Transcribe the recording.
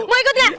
mau ikut gak